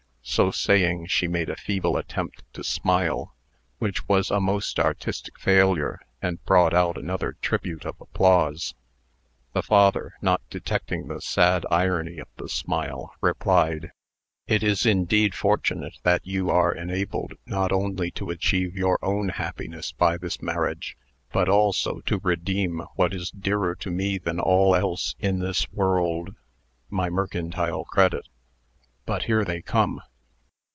So saying, she made a feeble attempt to smile, which was a most artistic failure, and brought out another tribute of applause. The father, not detecting the sad irony of the smile, replied: "It is indeed fortunate that you are enabled not only to achieve your own happiness by this marriage, but also to redeem what is dearer to me than all else in this world my mercantile credit. But here they come."